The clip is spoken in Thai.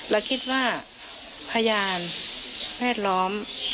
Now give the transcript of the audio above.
เราคิดว่าพยาบาลแรงแม่ร้อม